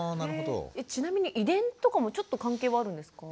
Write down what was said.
ちなみに遺伝とかもちょっと関係はあるんですか？